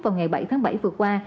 vào ngày bảy tháng bảy vừa qua